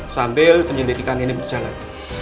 sambil penyelidikan ini berjalan